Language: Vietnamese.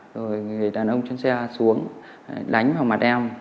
thì đàn ông trên xe xuống đánh vào mặt em